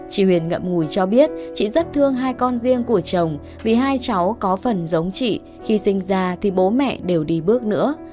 chị huyền ngậm ngùi cho biết chị rất thương hai con riêng của chồng vì hai cháu có phần giống chị khi sinh ra thì bố mẹ đều đi bước nữa